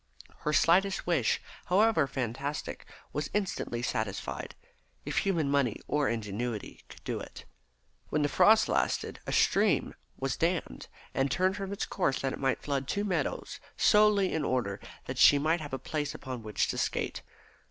Her slightest wish, however fantastic, was instantly satisfied, if human money or ingenuity could do it. When the frost lasted a stream was dammed and turned from its course that it might flood two meadows, solely in order that she might have a place upon which to skate.